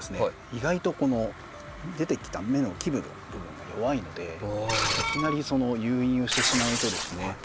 意外とこの出てきた芽の基部の部分が弱いのでいきなり誘引をしてしまうとですね